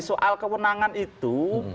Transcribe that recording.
soal kewenangan itu